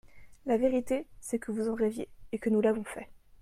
La vérité, c’est que vous en rêviez et que nous l’avons fait.